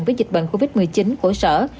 với dịch bệnh covid một mươi chín của sở